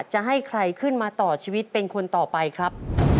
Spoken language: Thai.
จะให้ใครขึ้นมาต่อชีวิตเป็นคนต่อไปครับ